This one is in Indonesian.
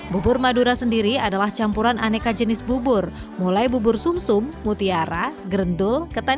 bubur madura sendiri adalah campuran aneka jenis bubur mulai bubur sum sum mutiara gerendul ketan